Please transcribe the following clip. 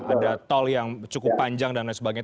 ada tol yang cukup panjang dan lain sebagainya